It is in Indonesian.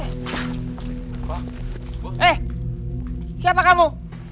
eh siapa kamu